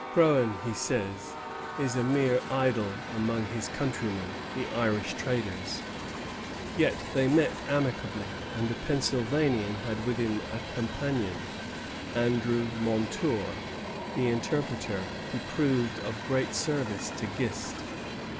"Croghan," he says, "is a mere idol among his countrymen, the Irish traders;" yet they met amicably, and the Pennsylvanian had with him a companion, Andrew Montour, the interpreter, who proved of great service to Gist.